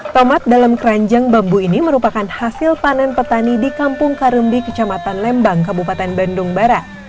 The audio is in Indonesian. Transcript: tomat dalam keranjang bambu ini merupakan hasil panen petani di kampung karembi kecamatan lembang kabupaten bandung barat